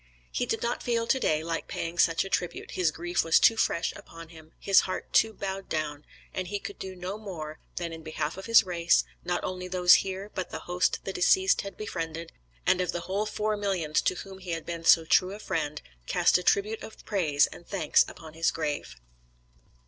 He did not feel to day like paying such a tribute, his grief was too fresh upon him, his heart too bowed down, and he could do no more, than in behalf of his race, not only those here, but the host the deceased has befriended, and of the whole four millions to whom he had been so true a friend, cast a tribute of praise and thanks upon his grave.